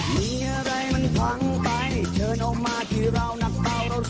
มีอะไรมันพ้องไปเชิญออกมาที่เรานักเก่าเราซ่อมได้